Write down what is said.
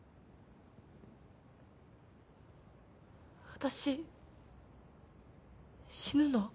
私死ぬの？